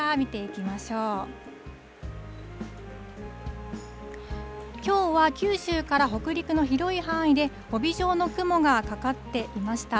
きょうは九州から北陸の広い範囲で、帯状の雲がかかっていました。